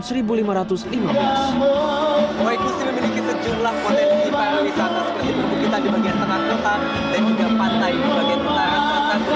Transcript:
selain memiliki sejumlah potensi pariwisata seperti perbukitan di bagian tengah kota dan juga pantai di bagian utara